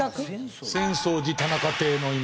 浅草寺田中邸の今。